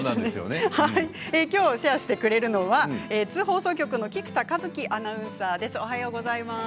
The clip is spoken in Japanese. きょうシェアしてくれるのは津放送局の菊田一樹アナウンサーです。